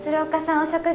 お食事